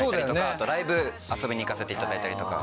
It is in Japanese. あとライブ遊びに行かせていただいたりとか。